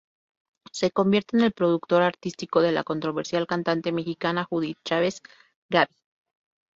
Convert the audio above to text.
Se convierte en el Productor Artístico de la controversial cantante mexicana Judith Chávez "Ga-Bí".